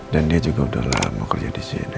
dan dia juga udah lama kerja disini